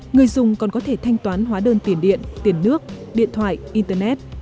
người dùng còn có thể thanh toán hóa đơn tiền điện tiền nước điện thoại internet